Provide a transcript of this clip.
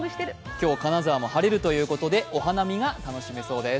今日、金沢も晴れるということでお花見が楽しめます。